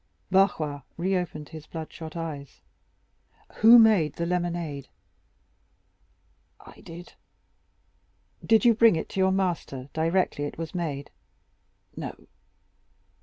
Barrois reopened his bloodshot eyes. "Who made the lemonade?" "I did." "Did you bring it to your master directly it was made?" "No."